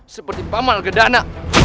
seperti paman argadana